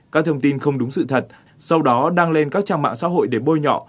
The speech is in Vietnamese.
các thông tin không đúng sự thật sau đó đăng lên các trang mạng xã hội để bôi nhọ